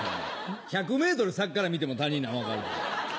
１００ｍ先から見ても他人なん分かるわ。